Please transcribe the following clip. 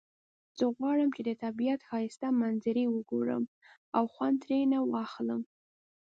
زه غواړم چې د طبیعت ښایسته منظری وګورم او خوند ترینه واخلم